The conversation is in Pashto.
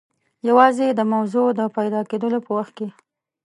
یوازې د موضوع د پیدا کېدلو په وخت کې.